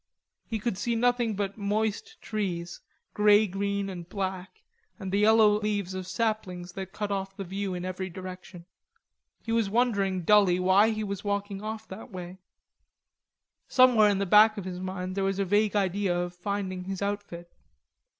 He could see nothing but moist trees, grey green and black, and the yellow leaves of saplings that cut off the view in every direction. He was wondering dully why he was walking off that way. Somewhere in the back of his mind there was a vague idea of finding his outfit.